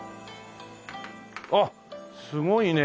あっすごいね。